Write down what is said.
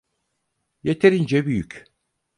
Yeterince büyük.